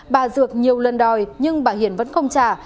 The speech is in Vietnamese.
bà dược nhiều lần đòi nhưng bà hiển vẫn không trả